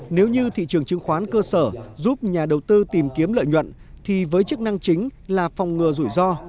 nếu như thị trường chứng khoán cơ sở giúp nhà đầu tư tìm kiếm lợi nhuận thì với chức năng chính là phòng ngừa rủi ro